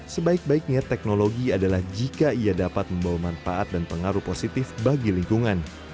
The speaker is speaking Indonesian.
sebaik baiknya teknologi adalah jika ia dapat membawa manfaat dan pengaruh positif bagi lingkungan